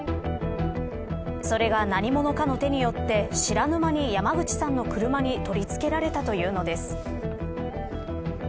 それが何者かの手によって知らぬ間に山口さんの車に取り付けられたというのです。